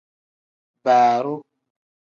Baaroo.